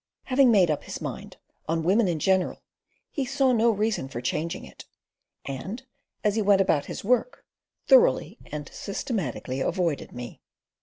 Having made up his mind on women in general, he saw no reason for changing it; and as he went about his work, thoroughly and systematically avoided me.